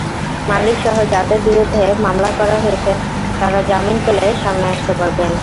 মালিকসহ যাঁদের বিরুদ্ধে মামলা করা হয়েছে, তাঁরা জামিন পেলে সামনে আসতে পারবেন।